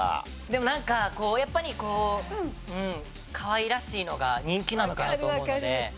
でもなんかやっぱりこうかわいらしいのが人気なのかなと思うので。